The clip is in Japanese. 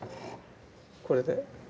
これで。